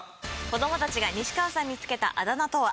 子どもたちが西川さんに付けたあだ名とは？